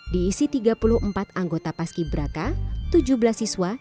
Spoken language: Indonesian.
diisi tiga puluh empat anggota paski beraka tujuh belas siswa